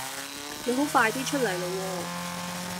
你好快啲出嚟啦喎